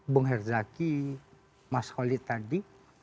bang herzaki mas holly tadi